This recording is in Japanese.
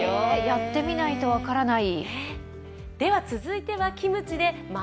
やってみないと分からない。